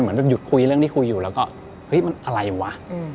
เหมือนแบบหยุดคุยเรื่องที่คุยอยู่แล้วก็เฮ้ยมันอะไรวะ